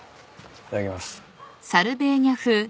いただきます。